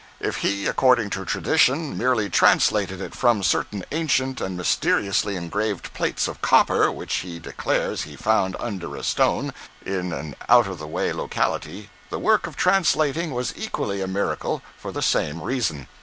If he, according to tradition, merely translated it from certain ancient and mysteriously engraved plates of copper, which he declares he found under a stone, in an out of the way locality, the work of translating was equally a miracle, for the same reason.